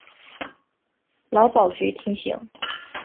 劳保局提醒